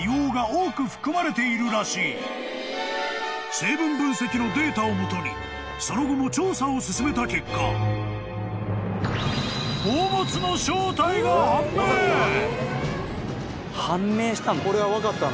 ［成分分析のデータを基にその後も調査を進めた結果］判明したの？